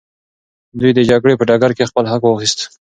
دوی د جګړې په ډګر کي خپل حق واخیست.